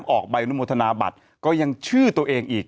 ออกใบอนุโมทนาบัตรก็ยังชื่อตัวเองอีก